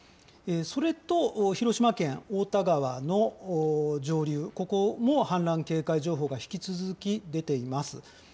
それと広島県太田川の上流、ここも氾濫警戒情報が引き続き出ています。